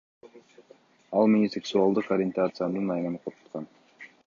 Ал мени сексуалдык ориентациямдын айынан коркуткан.